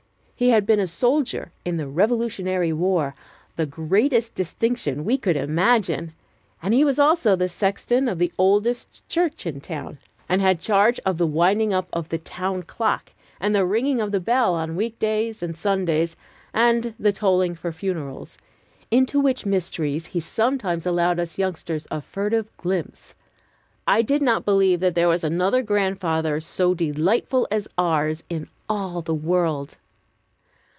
He had been a soldier in the Revolutionary War, the greatest distinction we could imagine. And he was also the sexton of the oldest church in town, the Old South, and had charge of the winding up of the town clock, and the ringing of the bell on week days and Sundays, and the tolling for funerals, into which mysteries he sometimes allowed us youngsters a furtive glimpse. I did not believe that there was another grandfather so delightful as ours in all the world.